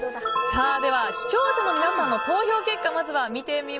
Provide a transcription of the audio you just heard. では、視聴者の皆さんの投票結果です。